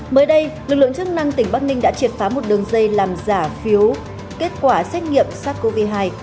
mới đây lực lượng chức năng tỉnh bắc ninh đã triệt phá một đường dây làm giả phiếu kết quả xét nghiệm sars cov hai